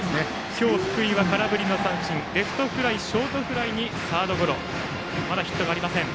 今日、福井は空振りの三振レフトフライ、ショートフライにサードゴロでヒットがありません。